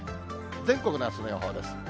全国のあすの予報です。